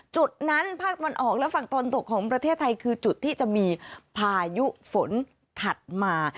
จุดนั้นภาคตะวันออกและฝั่งตะวันตกของประเทศไทยคือจุดที่จะมีพายุฝนถัดมา